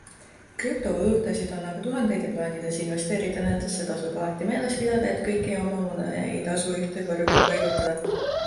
Krüptovaluutasid on aga tuhandeid ja plaanides investeerida nendesse, tasub alati meeles pidada, et kõiki oma mune ei tasu ühte korvi paigutada.